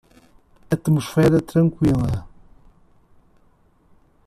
Atmosfera tranquila